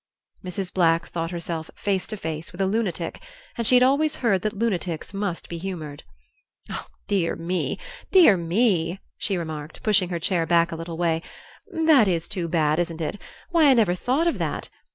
Mrs. Black thought herself face to face with a lunatic, and she had always heard that lunatics must be humored. "Dear me, dear me," she remarked, pushing her chair back a little way, "that is too bad, isn't it? Why, I never thought of that.